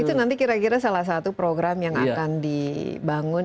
itu nanti kira kira salah satu program yang akan dibangun